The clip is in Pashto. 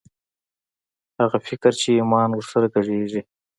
هغه فکر چې ایمان ور سره ګډېږي